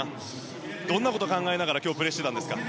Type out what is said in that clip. どんなことを考えながら今日、プレーしていたんですか。